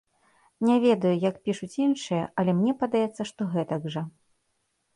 Не ведаю, як пішуць іншыя, але мне падаецца, што гэтак жа.